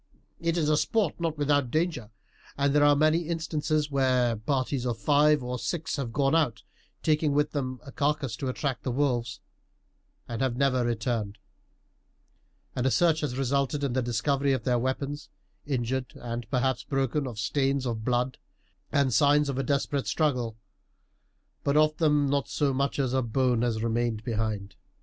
It is a sport not without danger; and there are many instances where parties of five or six have gone out, taking with them a carcass to attract the wolves, and have never returned; and a search has resulted in the discovery of their weapons, injured and perhaps broken, of stains of blood and signs of a desperate struggle, but of them not so much as a bone has remained behind."